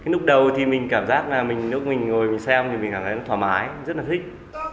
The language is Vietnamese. lúc đầu thì mình cảm giác là lúc mình ngồi mình xem thì mình cảm thấy nó thoải mái rất là thích